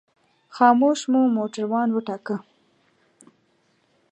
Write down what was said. خاموش مو موټروان وټاکه.